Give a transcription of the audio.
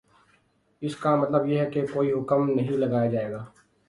اس کا مطلب یہ ہے کہ کوئی حکم نہیں لگایا جائے گا